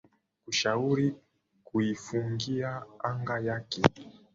kushauri kuifungia anga yake